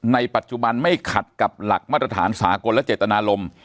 ในปัจจุบันไม่ขัดกับหลักมาตรฐานสากลและเจตนารมณ์